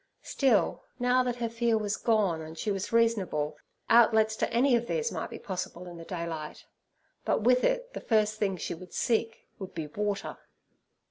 Still, now that her fear was gone and she reasonable, outlets to any of these might be possible in the daylight, but with it the first thing she would seek would be water.